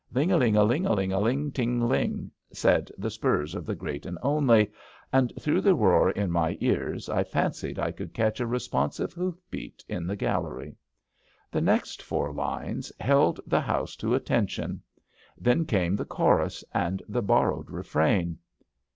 '' Ling a Ung a^ing aAing ting lingt '^ said the spurs of the Great and Only, and through the roar in my ears I fancied I could catch a responsive hoofbeat in the gallery. The next four lines held the house to attention. Then came the chorus and the borrowed refrain.